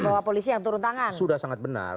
bahwa polisi yang turun tangan sudah sangat benar